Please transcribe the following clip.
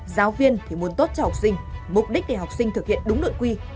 giáo viên thì muốn tốt cho học sinh mục đích để học sinh thực hiện đúng nội quy